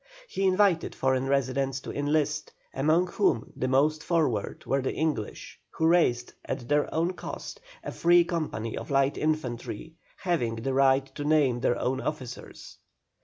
He invited foreign residents to enlist, among whom the most forward were the English, who raised at their own cost a free company of light infantry, having the right to name their own officers.